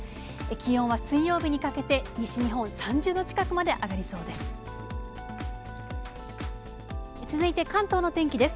気温は水曜日にかけて、西日本、３０度近くまで上がりそうです。